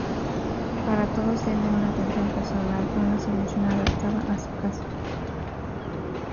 Para todos tiene una atención personal, una solución adaptada a su caso.